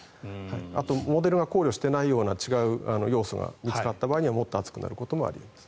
あと、モデルが考慮していないような違う要素が見つかった場合はもっと暑くなることもあり得ます。